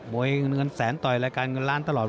เงินแสนต่อยรายการเงินล้านตลอด